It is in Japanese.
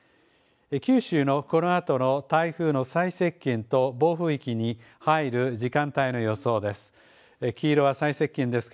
九州のこのあとの台風の最接近と暴風域に入る時間帯の予想です。